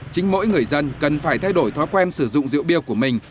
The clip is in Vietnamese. chính mỗi người dân cần phải thay đổi thói quen sử dụng rượu bia của mình